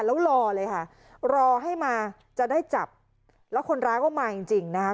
แล้วรอเลยค่ะรอให้มาจะได้จับแล้วคนร้ายก็มาจริงจริงนะคะ